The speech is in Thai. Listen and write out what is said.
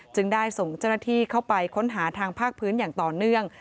จึงได้ส่งเจ้าหน้าที่เข้าไปค้นหาทางภาคพื้นอย่างต่อเนื่อง